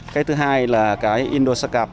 cái thứ hai là indosyn